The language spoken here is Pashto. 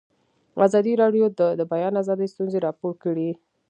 ازادي راډیو د د بیان آزادي ستونزې راپور کړي.